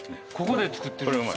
ここで作ってる？